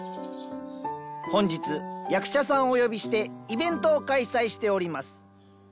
本日役者さんをお呼びしてイベントを開催しております